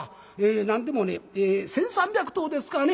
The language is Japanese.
何でもね１，３００頭ですからね。